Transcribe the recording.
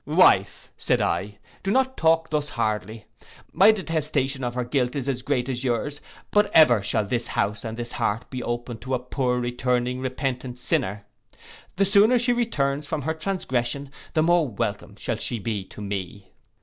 'Wife,' said I, 'do not talk thus hardly: my detestation of her guilt is as great as yours; but ever shall this house and this heart be open to a poor returning repentant sinner. The sooner she returns from her transgression, the more welcome shall she be to me.